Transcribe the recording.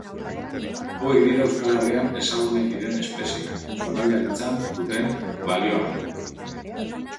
Hauek dira Euskal Herrian ezagunen diren espezieak, sukaldaritzan duten balioagatik.